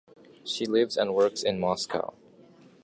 She lives and works in Moscow.